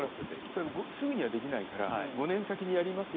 すぐにはできないから５年先にやりますよ